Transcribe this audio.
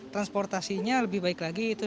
transportasinya lebih baik lagi